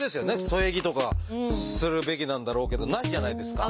添え木とかするべきなんだろうけどないじゃないですか。